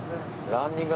ランニング。